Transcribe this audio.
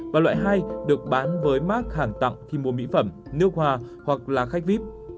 và loại hai được bán với mát hàng tặng khi mua mỹ phẩm nước hoa hoặc là khách vít